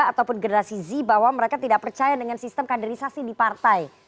ataupun generasi z bahwa mereka tidak percaya dengan sistem kaderisasi di partai